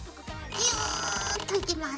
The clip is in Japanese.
ギューッといきます。